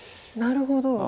なるほど。